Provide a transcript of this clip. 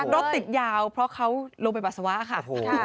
รถติดยาวเพราะเขาลงไปปัสสาวะค่ะ